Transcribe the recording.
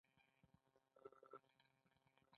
ښتې د افغانستان د جغرافیایي موقیعت پایله ده.